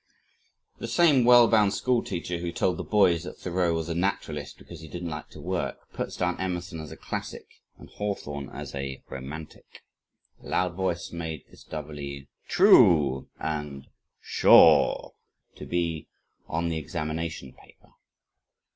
The same well bound school teacher who told the boys that Thoreau was a naturalist because he didn't like to work, puts down Emerson as a "classic," and Hawthorne as a "romantic." A loud voice made this doubly TRUE and SURE to be on the examination paper.